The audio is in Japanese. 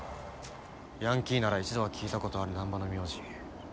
ヤンキーなら一度は聞いたことある難破の名字。